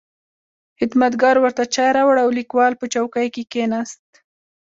خدمتګار ورته چای راوړ او لیکوال په چوکۍ کې کښېناست.